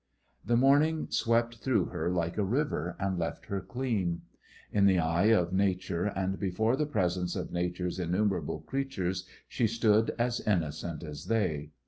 The morning swept through her like a river and left her clean. In the eye of nature and before the presence of nature's innumerable creatures she stood as innocent as they.